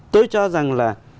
tôi cho rằng là